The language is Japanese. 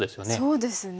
そうですね。